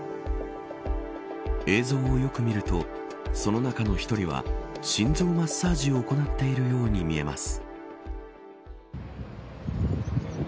映像をよく見るとその中の１人は心臓マッサージを行っているようにも見えます。